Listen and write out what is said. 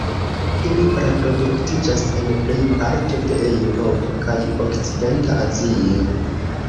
Ili reproduktiĝas en plej parto de Eŭropo kaj okcidenta Azio.